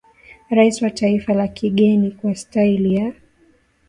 Rais wa taifa la kigeni kwa staili ya